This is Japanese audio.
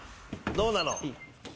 どうなの？